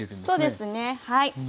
そうですねはい。